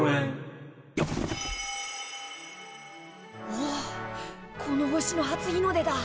おおっこの星の初日の出だ。